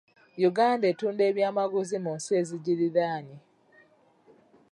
Uganda etunda ebyamaguzi mu nsi ezigiriraanye.